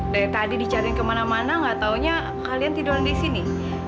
dari tadi dicariin kemana mana nggak tahunya kalian tiduran di sini